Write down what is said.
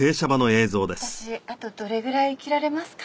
「私あとどれぐらい生きられますか？」